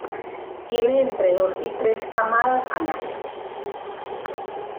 Tiene entre dos y tres camadas al año.